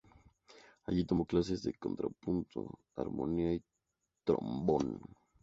Allí tomó clases de contrapunto, armonía y trombón.